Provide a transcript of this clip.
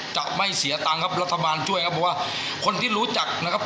จะไม่เสียตังค์ครับรัฐบาลช่วยครับเพราะว่าคนที่รู้จักนะครับ